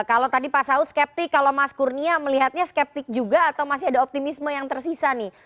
kalau tadi pak saud skeptik kalau mas kurnia melihatnya skeptik juga atau masih ada optimisme yang tersisa nih